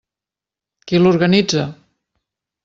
Qui l'organitza?